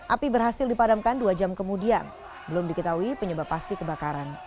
api berhasil dipadamkan dua jam kemudian belum diketahui penyebab pasti kebakaran